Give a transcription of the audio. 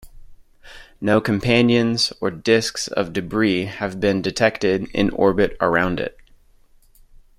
No companions or disks of debris have been detected in orbit around it.